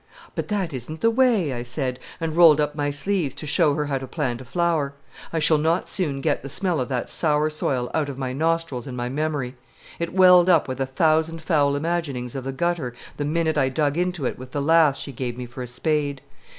"But that isn't the way," I said, and rolled up my sleeves to show her how to plant a flower. I shall not soon get the smell of that sour soil out of my nostrils and my memory. It welled up with a thousand foul imaginings of the gutter the minute I dug into it with the lath she gave me for a spade.